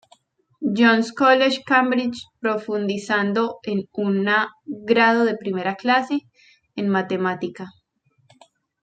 John's College, Cambridge, profundizando en una "grado de primera clase" en matemática.